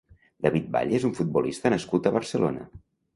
David Valle és un futbolista nascut a Barcelona.